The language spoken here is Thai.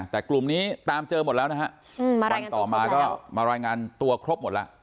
แต่กลุ่มนี้ตามเจอหมดแล้วนะฮะอืมมารายงานตัวครบแล้ววันต่อมาก็มารายงานตัวครบหมดแล้ว